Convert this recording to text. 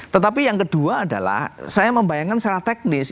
tetapi yang kedua adalah saya membayangkan secara teknis